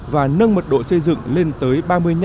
và nâng mật độ xây dựng lên tới ba mươi năm